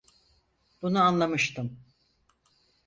Bunu anlamıştım.